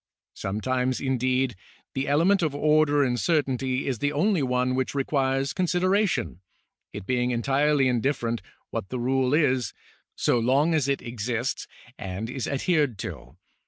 Sometimes, indeed, the element of order and certainty is the only one which requires consideration, it being entirely in different what the rule is, so long as it exists and is adhered to.